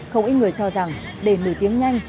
không ít người cho rằng để một mươi tiếng nhanh